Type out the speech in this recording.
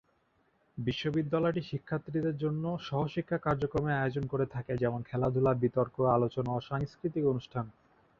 বিশ্ববিদ্যালয়টি শিক্ষার্থীদের জন্য সহশিক্ষা কার্যক্রমের আয়োজন করে থাকে যেমন- খেলাধুলা, বিতর্ক, আলোচনা ও সাংস্কৃতিক অনুষ্ঠান।